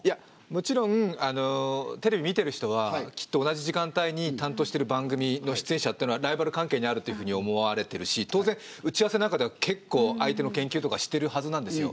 もちろんテレビ見てる人はきっと同じ時間帯に担当してる番組の出演者っていうのはライバル関係にあるというふうに思われてるし当然打ち合わせなんかでは結構相手の研究とかしてるはずなんですよ。